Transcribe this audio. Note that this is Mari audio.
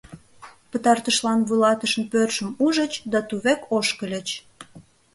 Пытартышлан вуйлатышын пӧртшым ужыч да тувек ошкыльыч.